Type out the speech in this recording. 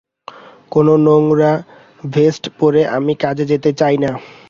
কোনো নোংরা ভেস্ট পরে আমি কাজে যেতে চাই না।